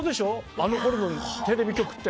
あのころのテレビ局って。